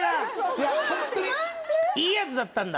いやホントにいいやつだったんだ？